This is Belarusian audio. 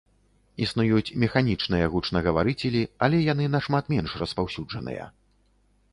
Існуюць механічныя гучнагаварыцелі, але яны нашмат менш распаўсюджаныя.